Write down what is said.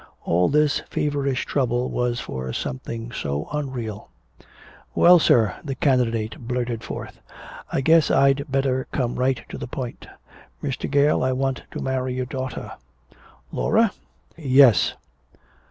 All this feverish trouble was for something so unreal! "Well, sir," the candidate blurted forth, "I guess I'd better come right to the point. Mr. Gale, I want to marry your daughter." "Laura?" "Yes."